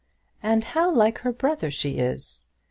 "And how like her brother she is!"